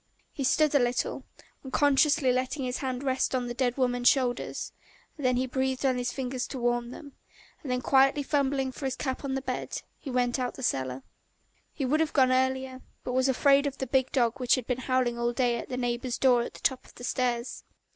He stood a little, unconsciously letting his hands rest on the dead woman's shoulders, then he breathed on his fingers to warm them, and then quietly fumbling for his cap on the bed, he went out of the cellar. He would have gone earlier, but was afraid of the big dog which had been howling all day at the neighbour's door at the top of the stairs.